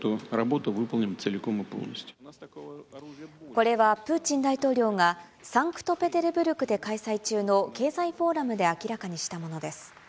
これはプーチン大統領が、サンクトペテルブルクで開催中の経済フォーラムで明らかにしたものです。